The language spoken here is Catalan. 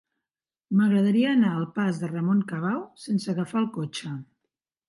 M'agradaria anar al pas de Ramon Cabau sense agafar el cotxe.